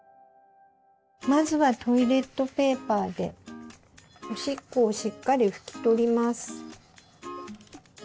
まずはトイレットペーパーでおしっこをしっかり拭き取ります。